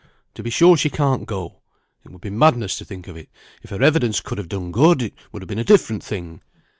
To be sure she can't go, it would be madness to think of it; if her evidence could have done good, it would have been a different thing.